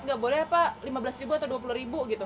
nggak boleh pak lima belas ribu atau dua puluh ribu gitu